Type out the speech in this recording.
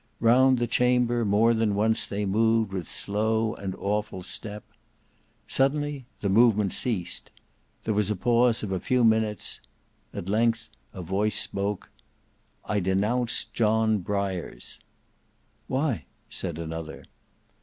Round the chamber, more than once, they moved with slow and awful step. Suddenly that movement ceased; there was a pause of a few minutes; at length a voice spoke. "I denounce John Briars." "Why?" said another.